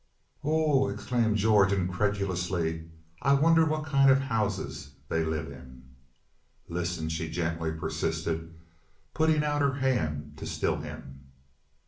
"Oho," exclaimed George, incredulously, "I wonder what kind of houses they live in." "Listen!" she gently persisted, putting out her hand to still him.